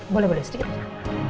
boleh boleh sedikit aja